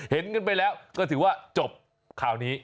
เห็นกันไปแล้วก็ถือว่าจบข่าวนี้